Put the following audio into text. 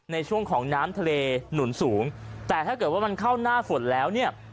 ในช่วงของน้ำทะเลหนุนสูงแต่ถ้าเกิดว่ามันเข้าหน้าฝนแล้วเนี่ย